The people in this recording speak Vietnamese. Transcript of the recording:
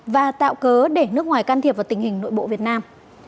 và tạo cớ để nước ngoài can thiệp vào tình hình nội bộ việt nam